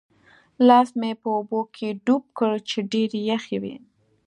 لاس مې په اوبو کې ډوب کړ چې ډېرې یخې وې.